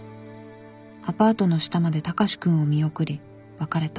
アパートの下まで高志くんを見送り別れた。